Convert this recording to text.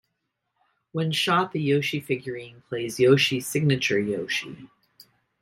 When shot the Yoshi figurine plays Yoshi's signature Yoshi!